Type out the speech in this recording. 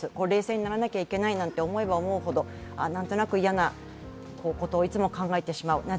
冷静にならなきゃいけないと思えば思うほど、何となく嫌なことをいつも考えてしまう。